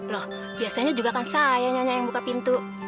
loh biasanya juga kan saya nyonya yang buka pintu